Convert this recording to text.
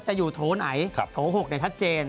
จะอยู่โถ่ไหนโถ่หกในชัดเจน